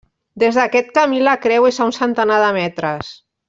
Des d'aquest camí la creu és a un centenar de metres.